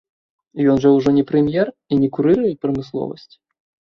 Ён жа ўжо не прэм'ер і не курыруе прамысловасць?